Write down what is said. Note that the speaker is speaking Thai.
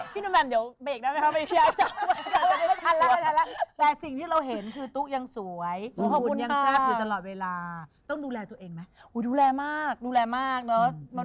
พี่นุยมันเดี๋ยวเบคได้มั้ยคะ